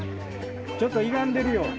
ちょっとゆがんでるよ。